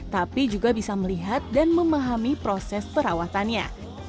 tapi juga bisa melihat dan memahami proses perawatannya